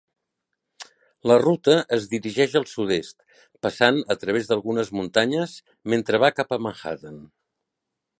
La ruta es dirigeix al sud-est, passant a través d'algunes muntanyes mentre va cap a Manhattan.